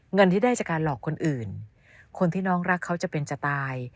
เงินที่ได้จากการหลอกคนอื่นคนที่น้องรักเขาจะเป็นจะตาย